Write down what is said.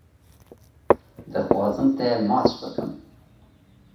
Dixwazim te maçî bikim.